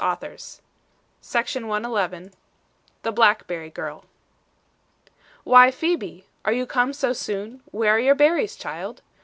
JAMES MERRICK THE BLACKBERRY GIRL "Why, Phebe, are you come so soon? Where are your berries, child?